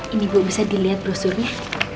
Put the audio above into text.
ini bu bisa dilihat brosurnya